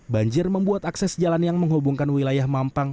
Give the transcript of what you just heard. banjir membuat akses jalan yang menghubungkan wilayah mampang